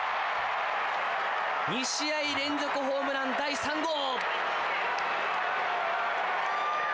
２試合連続ホームラン第３号！